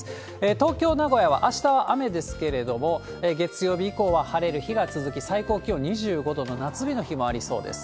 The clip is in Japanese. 東京、名古屋はあしたは雨ですけれども、月曜日以降は晴れる日が続き、最高気温２５度の夏日の日もありそうです。